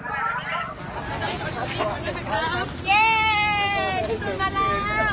กลับมาที่นี่